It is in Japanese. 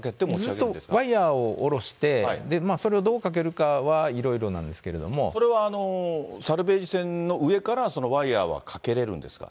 ずっとワイヤーを下ろして、それをどうかけるかはいろいろなそれは、サルベージ船の上から、ワイヤーはかけれるんですか？